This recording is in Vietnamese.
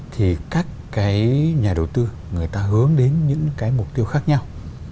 thì các nhà đầu tư người ta hướng đến những mục tiêu khác nhau